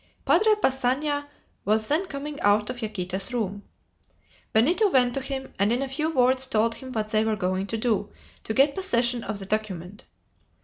Padre Passanha was then coming out of Yaquita's room. Benito went to him, and in a few words told him what they were going to do to get possession of the document.